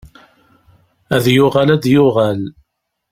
Ad yuɣal ad d-yuɣal.